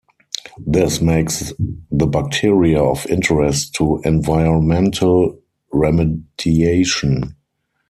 This makes the bacteria of interest to environmental remediation.